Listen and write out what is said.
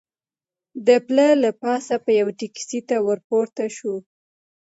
د پله له پاسه به یوې ټکسي ته ور پورته شو.